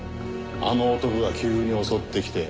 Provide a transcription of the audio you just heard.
あの男が急に襲ってきて。